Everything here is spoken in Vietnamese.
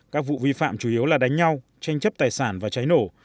các vụ vi phạm chủ yếu là đánh nhau tranh chấp tài sản và cháy nổ